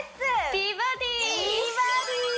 「美バディ」